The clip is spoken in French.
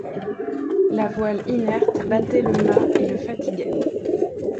La voile inerte battait le mât et le fatiguait.